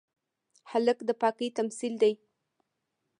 هلک د پاکۍ تمثیل دی.